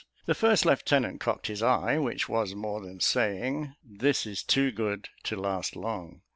The first lieutenant cocked his eye, which was more than saying, "This is too good to last long."